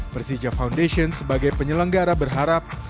persija foundation sebagai penyelenggara berharap